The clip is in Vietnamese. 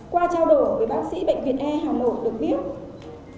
qua trao đổi với bác sĩ bệnh viện e hà nội được biết